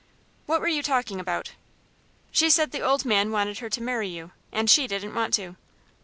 "What were you talking about?" "She said the old man wanted her to marry you, and she didn't want to."